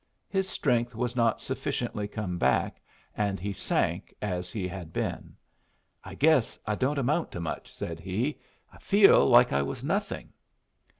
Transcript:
His strength was not sufficiently come back, and he sank as he had been. "I guess I don't amount to much," said he. "I feel like I was nothing."